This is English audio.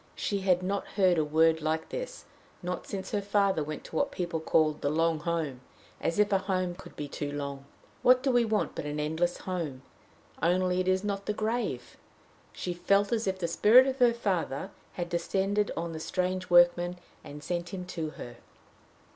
She had not heard a word like this not since her father went to what people call the "long home" as if a home could be too long! What do we want but an endless home? only it is not the grave! She felt as if the spirit of her father had descended on the strange workman, and had sent him to her.